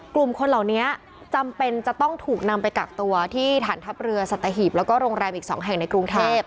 กลุ่มคนเหล่านี้จำเป็นจะต้องถูกนำไปกักตัวที่ฐานทัพเรือสัตหีบแล้วก็โรงแรมอีก๒แห่งในกรุงเทพ